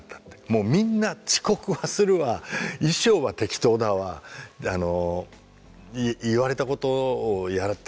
もうみんな遅刻はするわ衣装は適当だわ言われたことをやってくれないわ。